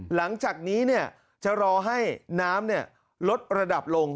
หลังจากนี้จะรอให้น้ำลดระดับลง